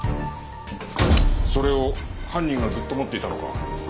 それを犯人がずっと持っていたのか？